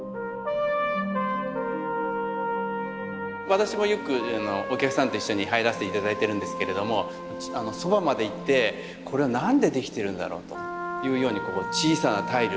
私もよくお客さんと一緒に入らせて頂いてるんですけれどもそばまで行ってこれは何で出来てるんだろうとというようにこの小さなタイル。